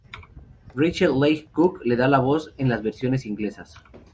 Rachael Leigh Cook le da voz en las versiones inglesas.